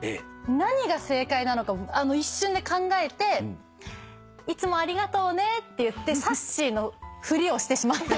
何が正解なのか一瞬で考えていつもありがとうねって言ってさっしーのふりをしてしまったことが。